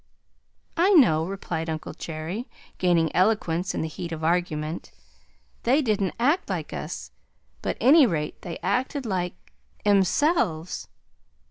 "I know," replied Uncle Jerry, gaining eloquence in the heat of argument. "They didn't act like us, but 't any rate they acted like 'emselves!